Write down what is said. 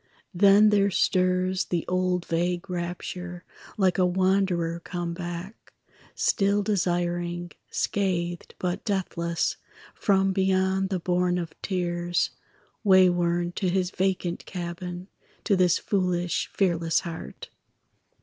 Then there stirs the old vague rapture, Like a wanderer come back, Still desiring, scathed but deathless, From beyond the bourne of tears, Wayworn to his vacant cabin, To this foolish fearless heart.